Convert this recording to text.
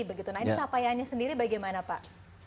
nah ini capaiannya sendiri bagaimana pak